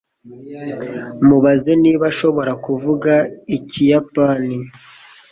mubaze niba ashobora kuvuga ikiyapani